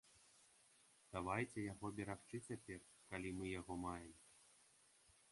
Давайце яго берагчы цяпер, калі мы яго маем.